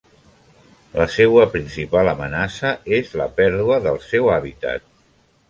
La seua principal amenaça és la pèrdua del seu hàbitat.